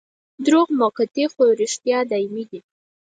دروغ موقتي خو رښتیا دايمي دي.